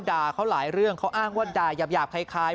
ด่าเขาหลายเรื่องเขาอ้างว่าด่ายาบคล้าย